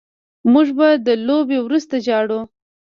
موږ به د لوبې وروسته ژاړو